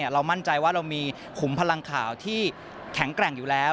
เรามั่นใจว่าเรามีขุมพลังข่าวที่แข็งแกร่งอยู่แล้ว